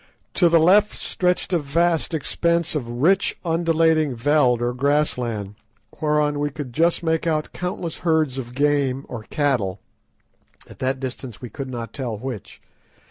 To the left stretched a vast expanse of rich, undulating veld or grass land, whereon we could just make out countless herds of game or cattle, at that distance we could not tell which.